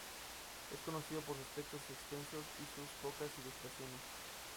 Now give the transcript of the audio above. Es conocido por sus textos extensos y sus pocas ilustraciones.